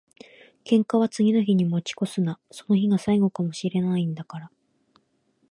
喧嘩は次の日に持ち越すな。その日が最後かも知れないんだから。